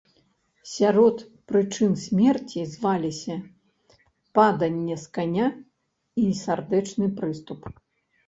Сярод прычын смерці зваліся паданне з каня і сардэчны прыступ.